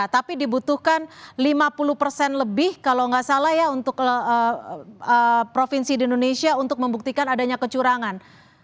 tapi dibutuhkan lima puluh persen lebih kalau nggak salah ya untuk provinsi di indonesia untuk membuktikan adanya kecurangan